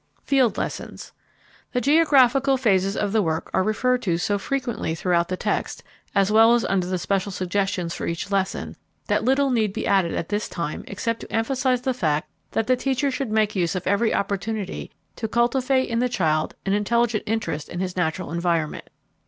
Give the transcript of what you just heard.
Field Lessons. The geographical phases of the work are referred to so frequently throughout the text as well as under the special suggestions for each lesson, that little need be added at this time except to emphasize the fact that the teacher should make use of every opportunity to cultivate in the child an intelligent interest in his natural environment.